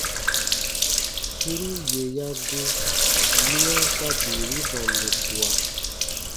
Suru yè ya gu, miya sa bii wi bango kua.